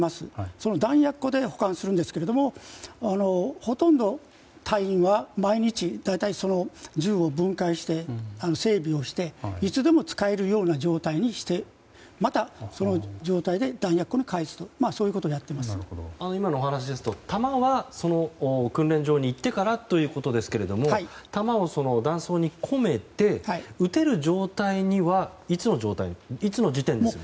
その弾薬庫で保管するんですがほとんど隊員は毎日、銃を分解して整備をしていつでも使えるような状態にしてまたその状態で弾薬庫に返すと今のお話ですと弾は訓練場に行ってからということですが弾を弾倉に込めて撃てる状態にはいつの時点ですか？